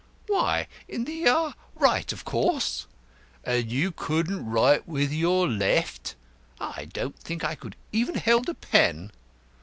"Why, in the right of course." "And you couldn't write with your left?" "I don't think I could even hold a pen."